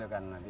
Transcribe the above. gitu kan nanti